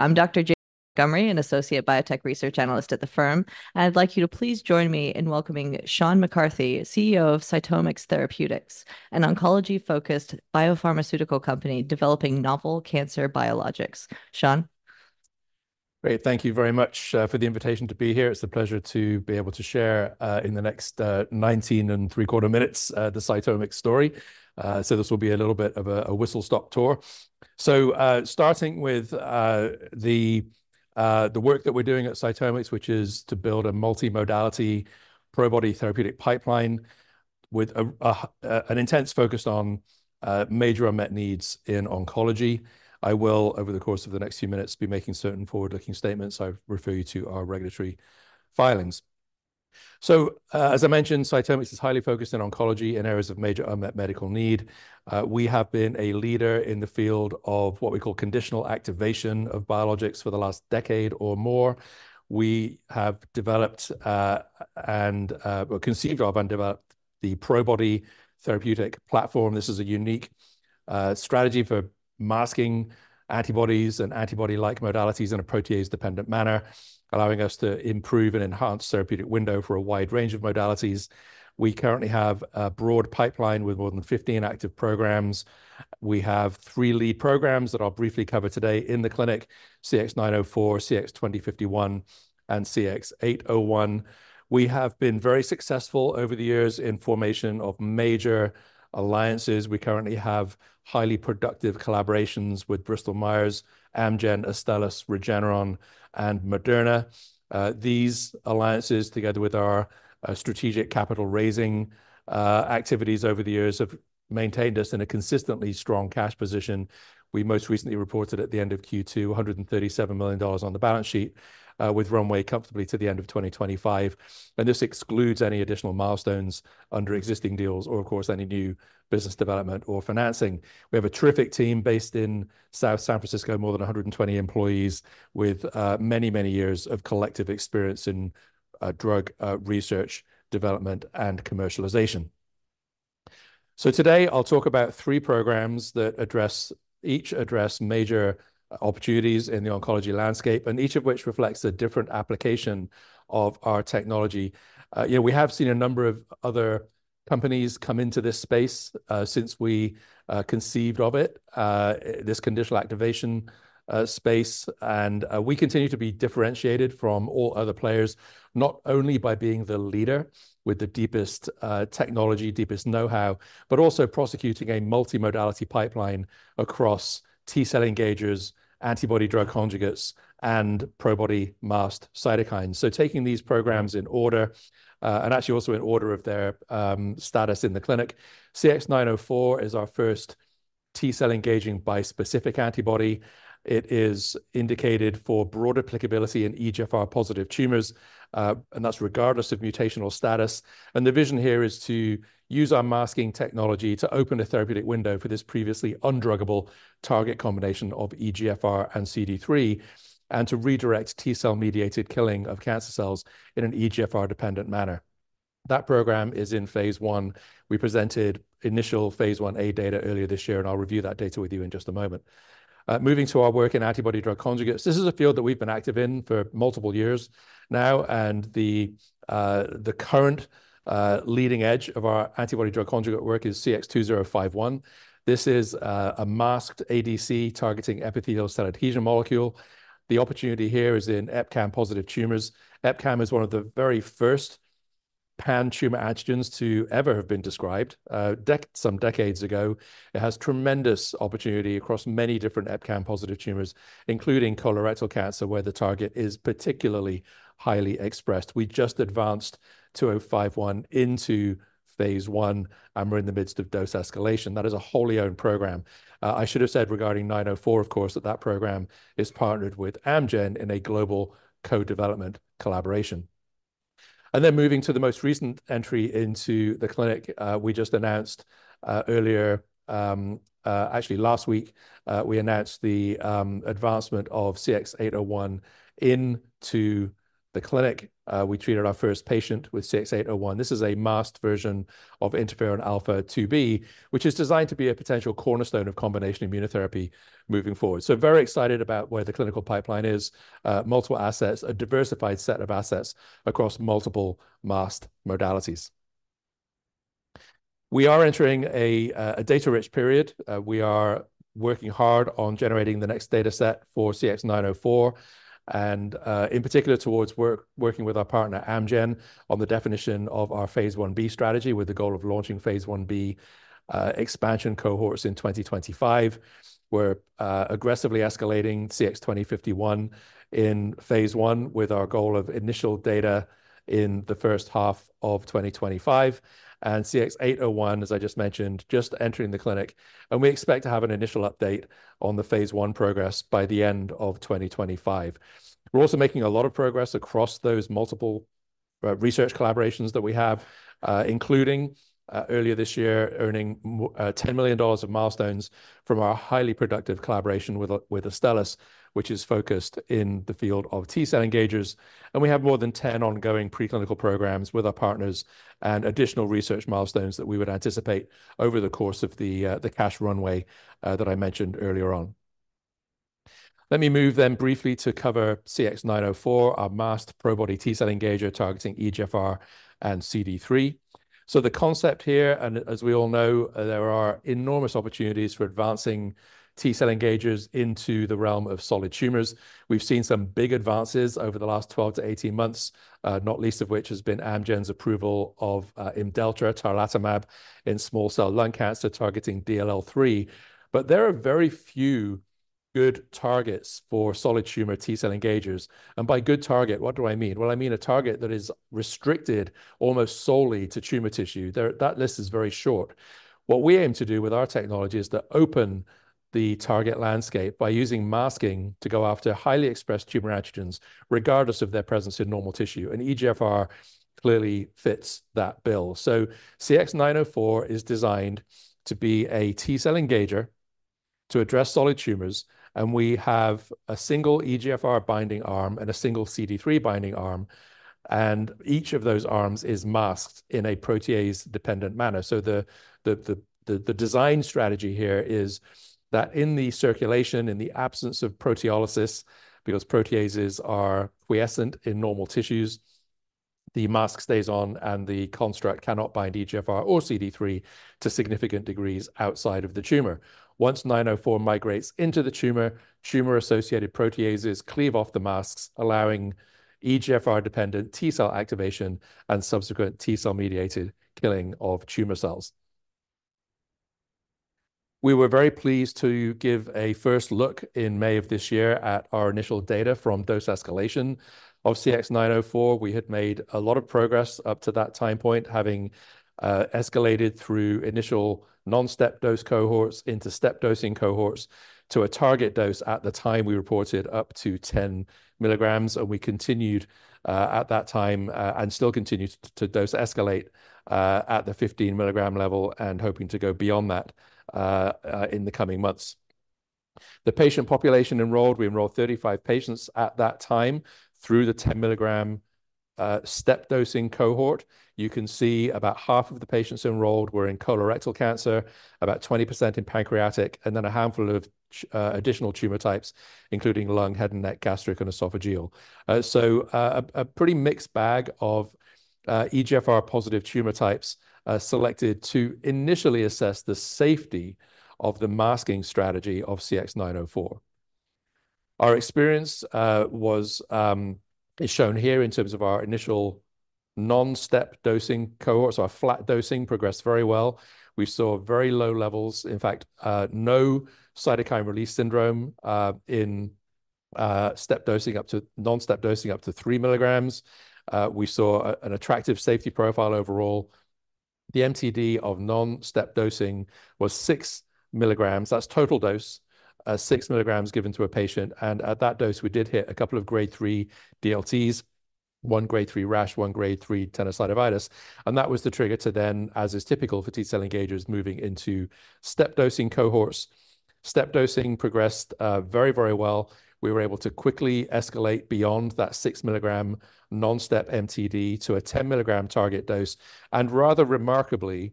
I'm Dr. Jamie Montgomery, an associate biotech research analyst at the firm, and I'd like you to please join me in welcoming Sean McCarthy, CEO of CytomX Therapeutics, an oncology-focused biopharmaceutical company developing novel cancer biologics. Sean? Great. Thank you very much, for the invitation to be here. It's a pleasure to be able to share, in the next, nineteen and three-quarter minutes, the CytomX story, so this will be a little bit of a whistle-stop tour, so starting with, the work that we're doing at CytomX, which is to build a multimodality Probody therapeutic pipeline with a, an intense focus on, major unmet needs in oncology. I will, over the course of the next few minutes, be making certain forward-looking statements. I refer you to our regulatory filings, so as I mentioned, CytomX is highly focused on oncology in areas of major unmet medical need. We have been a leader in the field of what we call conditional activation of biologics for the last decade or more. We have developed, and, well, conceived of and developed the Probody therapeutic platform. This is a unique strategy for masking antibodies and antibody-like modalities in a protease-dependent manner, allowing us to improve and enhance therapeutic window for a wide range of modalities. We currently have a broad pipeline with more than fifteen active programs. We have three lead programs that I'll briefly cover today in the clinic, CX-904, CX-2051, and CX-801. We have been very successful over the years in formation of major alliances. We currently have highly productive collaborations with Bristol Myers Squibb, Amgen, Astellas, Regeneron, and Moderna. These alliances, together with our strategic capital-raising activities over the years, have maintained us in a consistently strong cash position. We most recently reported at the end of Q2, $137 million on the balance sheet, with runway comfortably to the end of 2025, and this excludes any additional milestones under existing deals or of course, any new business development or financing. We have a terrific team based in South San Francisco, more than 120 employees with many, many years of collective experience in drug research, development, and commercialization. So today, I'll talk about three programs that each address major opportunities in the oncology landscape, and each of which reflects a different application of our technology. You know, we have seen a number of other companies come into this space, since we conceived of it, this conditional activation space, and we continue to be differentiated from all other players, not only by being the leader with the deepest technology, deepest know-how, but also prosecuting a multimodality pipeline across T-cell engagers, antibody drug conjugates, and Probody masked cytokines. So taking these programs in order, and actually also in order of their status in the clinic, CX-904 is our first T-cell engaging bispecific antibody. It is indicated for broad applicability in EGFR-positive tumors, and that's regardless of mutational status. The vision here is to use our masking technology to open a therapeutic window for this previously undruggable target combination of EGFR and CD3, and to redirect T-cell-mediated killing of cancer cells in an EGFR-dependent manner. That program is in phase I. We presented initial phase I-A data earlier this year, and I'll review that data with you in just a moment. Moving to our work in antibody-drug conjugates, this is a field that we've been active in for multiple years now, and the current leading edge of our antibody-drug conjugate work is CX-2051. This is a masked ADC targeting epithelial cell adhesion molecule. The opportunity here is in EpCAM-positive tumors. EpCAM is one of the very first pan-tumor antigens to ever have been described some decades ago. It has tremendous opportunity across many different EpCAM-positive tumors, including colorectal cancer, where the target is particularly highly expressed. We just advanced CX-2051 into phase I, and we're in the midst of dose escalation. That is a wholly owned program. I should have said regarding 904, of course, that program is partnered with Amgen in a global co-development collaboration. And then moving to the most recent entry into the clinic, we just announced, earlier, actually last week, we announced the advancement of CX-801 into the clinic. We treated our first patient with CX-801. This is a masked version of interferon alpha-2b, which is designed to be a potential cornerstone of combination immunotherapy moving forward. So very excited about where the clinical pipeline is, multiple assets, a diversified set of assets across multiple masked modalities. We are entering a data-rich period. We are working hard on generating the next data set for CX-904 and, in particular, towards working with our partner, Amgen, on the definition of our phase I-B strategy, with the goal of launching phase 1b expansion cohorts in 2025. We're aggressively escalating CX-2051 in phase I, with our goal of initial data in the first half of 2025, and CX-801, as I just mentioned, just entering the clinic, and we expect to have an initial update on the phase I progress by the end of 2025. We're also making a lot of progress across those multiple research collaborations that we have, including earlier this year, earning $10 million of milestones from our highly productive collaboration with Astellas, which is focused in the field of T-cell engagers. We have more than 10 ongoing preclinical programs with our partners and additional research milestones that we would anticipate over the course of the cash runway that I mentioned earlier on. Let me move then briefly to cover CX-904, our masked Probody T-cell engager targeting EGFR and CD3. The concept here, and as we all know, there are enormous opportunities for advancing T-cell engagers into the realm of solid tumors. We've seen some big advances over the last 12 to 18 months, not least of which has been Amgen's approval of Imdelltra, tarlatamab, in small cell lung cancer targeting DLL3. There are very few good targets for solid tumor T-cell engagers. By good target, what do I mean? I mean a target that is restricted almost solely to tumor tissue. There, that list is very short. What we aim to do with our technology is to open the target landscape by using masking to go after highly expressed tumor antigens, regardless of their presence in normal tissue, and EGFR clearly fits that bill. So CX-904 is designed to be a T-cell engager to address solid tumors, and we have a single EGFR binding arm and a single CD3 binding arm, and each of those arms is masked in a protease-dependent manner. So the design strategy here is that in the circulation, in the absence of proteolysis, because proteases are quiescent in normal tissues, the mask stays on, and the construct cannot bind EGFR or CD3 to significant degrees outside of the tumor. Once 904 migrates into the tumor, tumor-associated proteases cleave off the masks, allowing EGFR-dependent T-cell activation and subsequent T-cell-mediated killing of tumor cells. We were very pleased to give a first look in May of this year at our initial data from dose escalation of CX-904. We had made a lot of progress up to that time point, having escalated through initial non-step dose cohorts into step dosing cohorts to a target dose. At the time, we reported up to 10 milligrams, and we continued at that time and still continue to dose escalate at the 15 mg level and hoping to go beyond that in the coming months. The patient population enrolled, we enrolled 35 patients at that time through the 10 mg step dosing cohort. You can see about half of the patients enrolled were in colorectal cancer, about 20% in pancreatic, and then a handful of additional tumor types, including lung, head and neck, gastric, and esophageal. So, a pretty mixed bag of EGFR-positive tumor types selected to initially assess the safety of the masking strategy of CX-904. Our experience is shown here in terms of our initial non-step dosing cohorts. So our flat dosing progressed very well. We saw very low levels, in fact, no cytokine release syndrome in non-step dosing up to three milligrams. We saw an attractive safety profile overall. The MTD of non-step dosing was 6 mg. That's total dose, 6 mg given to a patient, and at that dose, we did hit a couple of grade three DLTs, one grade three rash, one grade three tenosynovitis, and that was the trigger to then, as is typical for T-cell engagers, moving into step dosing cohorts. Step dosing progressed very, very well. We were able to quickly escalate beyond that six-milligram non-step MTD to a 10 mg target dose. And rather remarkably,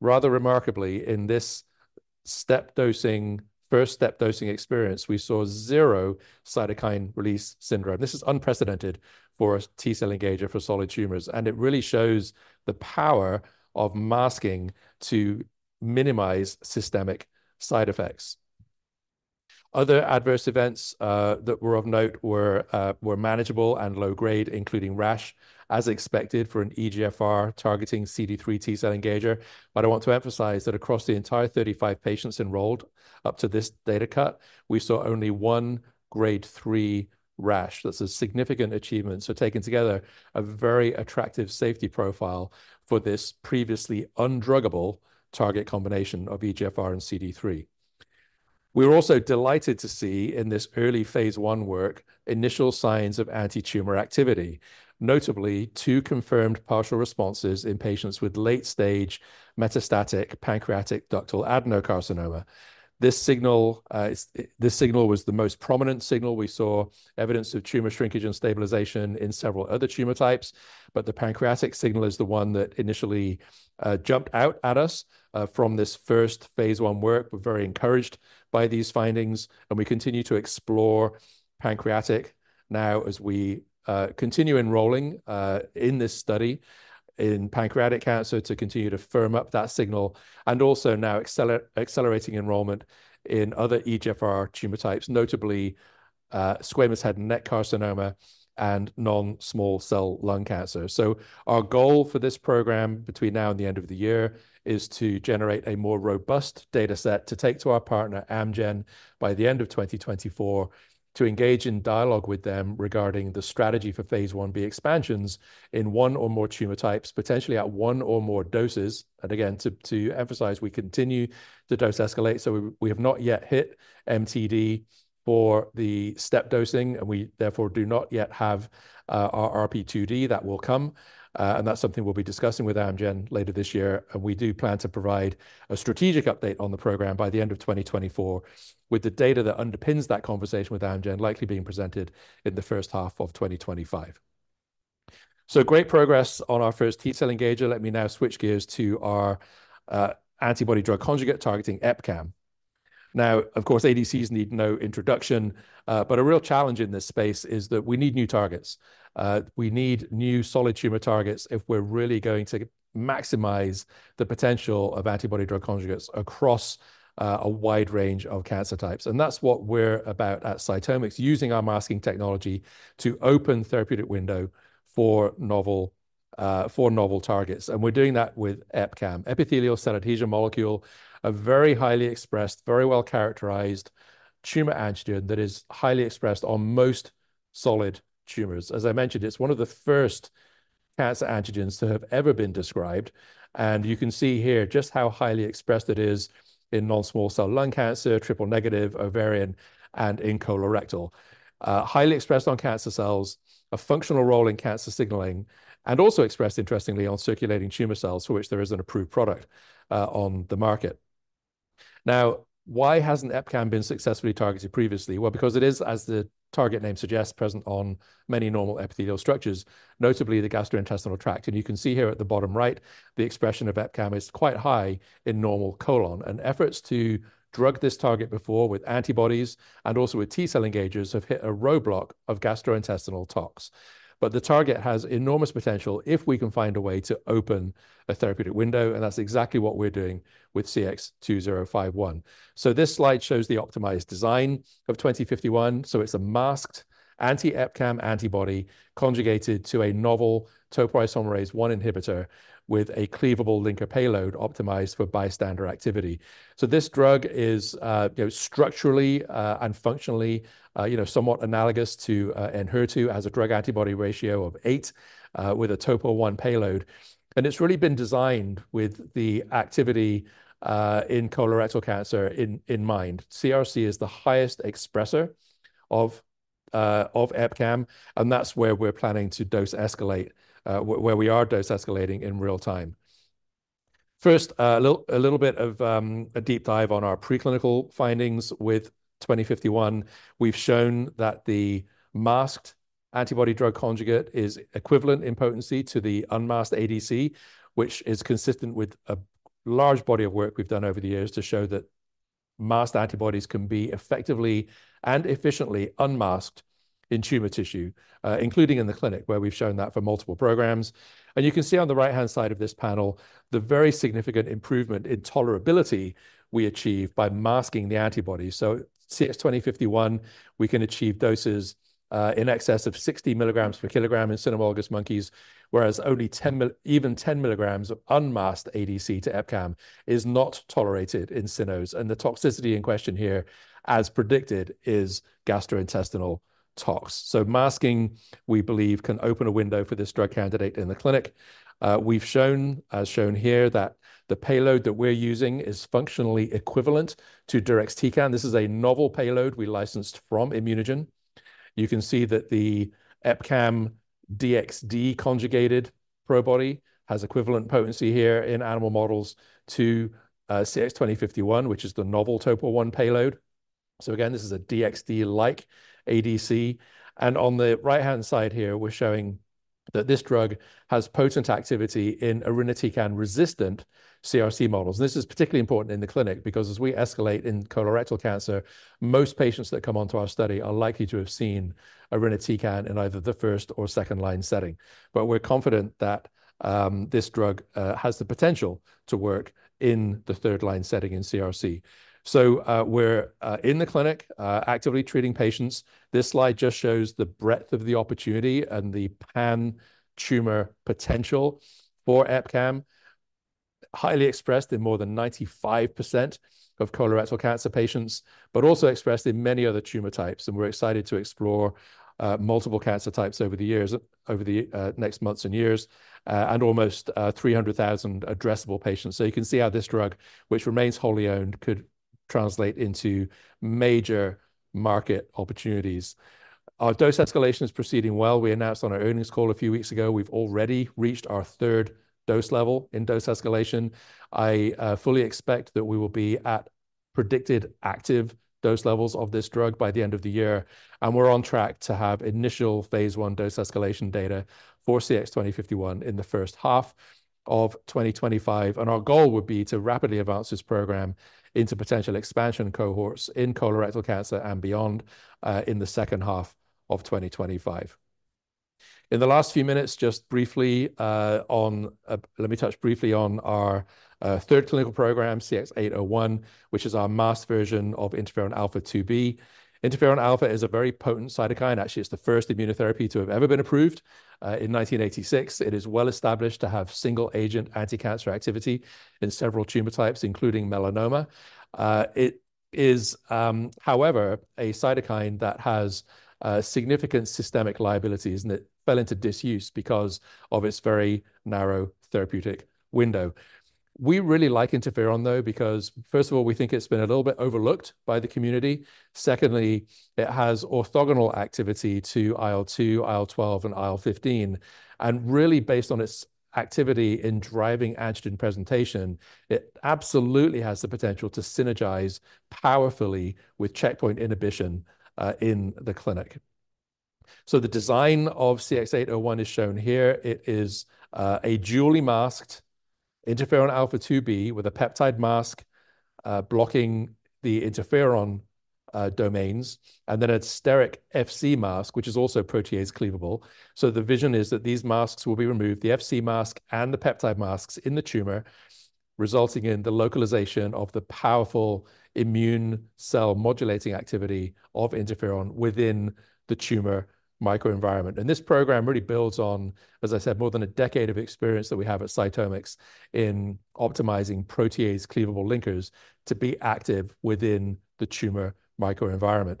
in this step dosing, first step dosing experience, we saw zero cytokine release syndrome. This is unprecedented for a T-cell engager for solid tumors, and it really shows the power of masking to minimize systemic side effects. Other adverse events that were of note were manageable and low grade, including rash, as expected for an EGFR targeting CD3 T-cell engager. But I want to emphasize that across the entire thirty-five patients enrolled up to this data cut, we saw only one grade three rash. That's a significant achievement. So taken together, a very attractive safety profile for this previously undruggable target combination of EGFR and CD3. We were also delighted to see in this early phase I work initial signs of anti-tumor activity, notably two confirmed partial responses in patients with late-stage metastatic pancreatic ductal adenocarcinoma. This signal was the most prominent signal. We saw evidence of tumor shrinkage and stabilization in several other tumor types, but the pancreatic signal is the one that initially jumped out at us from this first phase I work. We're very encouraged by these findings, and we continue to explore pancreatic now as we continue enrolling in this study in pancreatic cancer to continue to firm up that signal, and also now accelerating enrollment in other EGFR tumor types, notably squamous head and neck carcinoma and non-small cell lung cancer. So our goal for this program between now and the end of the year is to generate a more robust dataset to take to our partner, Amgen, by the end of 2024, to engage in dialogue with them regarding the strategy for phase I-B expansions in one or more tumor types, potentially at one or more doses. And again, to emphasize, we continue to dose escalate, so we have not yet hit MTD for the step dosing, and we therefore do not yet have our RP2D that will come. And that's something we'll be discussing with Amgen later this year, and we do plan to provide a strategic update on the program by the end of 2024, with the data that underpins that conversation with Amgen likely being presented in the first half of 2025. Great progress on our first T-cell engager. Let me now switch gears to our antibody-drug conjugate targeting EpCAM. Now, of course, ADCs need no introduction, but a real challenge in this space is that we need new targets. We need new solid tumor targets if we're really going to maximize the potential of antibody-drug conjugates across a wide range of cancer types. And that's what we're about at CytomX, using our masking technology to open therapeutic window for novel targets. And we're doing that with EpCAM, epithelial cell adhesion molecule, a very highly expressed, very well-characterized tumor antigen that is highly expressed on most solid tumors. As I mentioned, it's one of the first cancer antigens to have ever been described, and you can see here just how highly expressed it is in non-small cell lung cancer, triple-negative ovarian, and in colorectal. Highly expressed on cancer cells, a functional role in cancer signaling, and also expressed, interestingly, on circulating tumor cells, for which there is an approved product on the market. Now, why hasn't EpCAM been successfully targeted previously? Well, because it is, as the target name suggests, present on many normal epithelial structures, notably the gastrointestinal tract. And you can see here at the bottom right, the expression of EpCAM is quite high in normal colon, and efforts to drug this target before with antibodies and also with T-cell engagers have hit a roadblock of gastrointestinal tox. But the target has enormous potential if we can find a way to open a therapeutic window, and that's exactly what we're doing with CX-2051. So this slide shows the optimized design of 2051. It's a masked anti-EpCAM antibody conjugated to a novel topoisomerase I with a cleavable linker payload optimized for bystander activity. This drug is structurally and functionally you know somewhat analogous to Enhertu, has a drug-antibody ratio of eight with a topo-1 payload. It's really been designed with the activity in colorectal cancer in mind. CRC is the highest expresser of EpCAM, and that's where we're planning to dose escalate, where we are dose escalating in real time. First, a little bit of a deep dive on our preclinical findings with CX-2051. We've shown that the masked antibody drug conjugate is equivalent in potency to the unmasked ADC, which is consistent with a large body of work we've done over the years to show that masked antibodies can be effectively and efficiently unmasked in tumor tissue, including in the clinic, where we've shown that for multiple programs. You can see on the right-hand side of this panel, the very significant improvement in tolerability we achieve by masking the antibody. CX-2051, we can achieve doses in excess of 60 mg per kilogram in cynomolgus monkeys, whereas only even 10 mg of unmasked ADC to EpCAM is not tolerated in cynos. The toxicity in question here, as predicted, is gastrointestinal tox. Masking, we believe, can open a window for this drug candidate in the clinic. We've shown, as shown here, that the payload that we're using is functionally equivalent to Deruxtecan. This is a novel payload we licensed from ImmunoGen. You can see that the EpCAM DXd conjugated Probody has equivalent potency here in animal models to CX-2051, which is the novel topo one payload. So again, this is a DXd-like ADC, and on the right-hand side here, we're showing that this drug has potent activity in irinotecan-resistant CRC models. This is particularly important in the clinic because as we escalate in colorectal cancer, most patients that come onto our study are likely to have seen irinotecan in either the first or second-line setting. But we're confident that this drug has the potential to work in the third-line setting in CRC. So we're in the clinic actively treating patients. This slide just shows the breadth of the opportunity and the pan-tumor potential for EpCAM, highly expressed in more than 95% of colorectal cancer patients, but also expressed in many other tumor types, and we're excited to explore multiple cancer types over the next months and years, and almost three hundred thousand addressable patients, so you can see how this drug, which remains wholly owned, could translate into major market opportunities. Our dose escalation is proceeding well. We announced on our earnings call a few weeks ago, we've already reached our third dose level in dose escalation. I fully expect that we will be at predicted active dose levels of this drug by the end of the year, and we're on track to have initial phase I dose escalation data for CX-2051 in the first half of 2025. And our goal would be to rapidly advance this program into potential expansion cohorts in colorectal cancer and beyond, in the second half of 2025. In the last few minutes, just briefly, let me touch briefly on our third clinical program, CX-801, which is our masked version of interferon alpha-2b. Interferon alpha is a very potent cytokine. Actually, it's the first immunotherapy to have ever been approved in 1986. It is well established to have single-agent anticancer activity in several tumor types, including melanoma. It is, however, a cytokine that has significant systemic liabilities, and it fell into disuse because of its very narrow therapeutic window. We really like interferon, though, because first of all, we think it's been a little bit overlooked by the community. Secondly, it has orthogonal activity to IL-2, IL-12, and IL-15, and really, based on its activity in driving antigen presentation, it absolutely has the potential to synergize powerfully with checkpoint inhibition in the clinic. The design of CX-801 is shown here. It is a dual masked interferon alpha-2b with a peptide mask blocking the interferon domains, and then a steric Fc mask, which is also protease cleavable. So the vision is that these masks will be removed, the Fc mask and the peptide masks in the tumor, resulting in the localization of the powerful immune cell modulating activity of interferon within the tumor microenvironment. This program really builds on, as I said, more than a decade of experience that we have at CytomX in optimizing protease cleavable linkers to be active within the tumor microenvironment.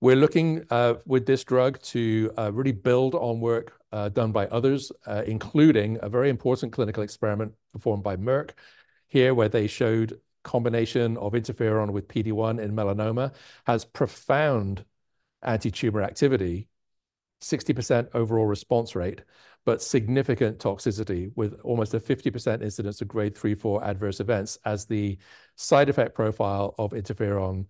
We're looking with this drug to really build on work done by others, including a very important clinical experiment performed by Merck here, where they showed combination of interferon with PD-1 in melanoma has profound anti-tumor activity, 60% overall response rate, but significant toxicity, with almost a 50% incidence of grade 3-4 adverse events, as the side effect profile of interferon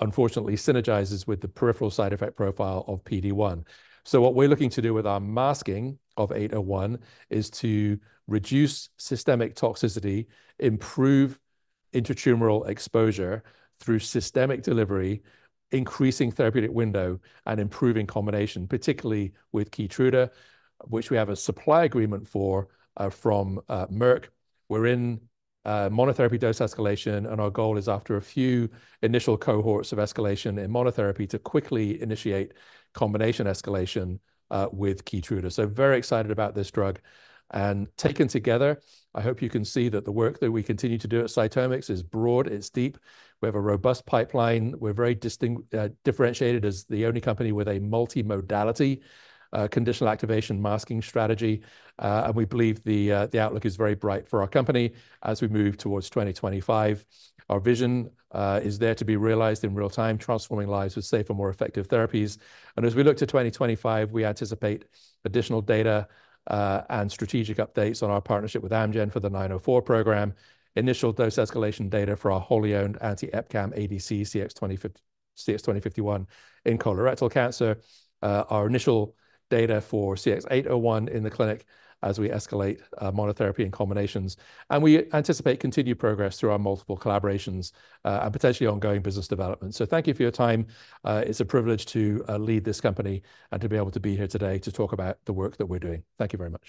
unfortunately synergizes with the peripheral side effect profile of PD-1. So what we're looking to do with our masking of eight oh one is to reduce systemic toxicity, improve intratumoral exposure through systemic delivery, increasing therapeutic window, and improving combination, particularly with Keytruda, which we have a supply agreement for from Merck. We're in monotherapy dose escalation, and our goal is after a few initial cohorts of escalation in monotherapy, to quickly initiate combination escalation with Keytruda. So very excited about this drug. And taken together, I hope you can see that the work that we continue to do at CytomX is broad, it's deep. We have a robust pipeline. We're very distinct, differentiated as the only company with a multimodality, conditional activation masking strategy. And we believe the outlook is very bright for our company as we move towards 2025. Our vision is there to be realized in real time, transforming lives with safer, more effective therapies. And as we look to 2025, we anticipate additional data and strategic updates on our partnership with Amgen for the nine oh four program, initial dose escalation data for our wholly owned anti-EpCAM ADC, CX-2051 in colorectal cancer, our initial data for CX-801 in the clinic as we escalate, monotherapy and combinations. And we anticipate continued progress through our multiple collaborations and potentially ongoing business development. So thank you for your time. It's a privilege to lead this company and to be able to be here today to talk about the work that we're doing. Thank you very much.